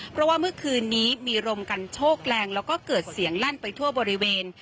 เพราะว่าเมื่อคืนนี้มีรมกันโชคแรงแล้วก็เกิดเสียงลั่นไปทั่วบริเวณ